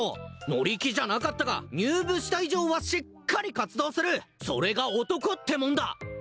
乗り気じゃなかったが入部した以上はしっかり活動するそれが男ってもんだ！